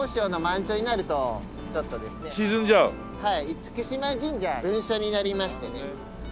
厳島神社分社になりましてね。